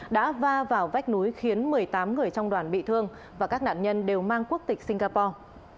đã va vào vách núi khiến một mươi tám người trong đoàn bị thương và các nạn nhân đều mang quốc tịch singapore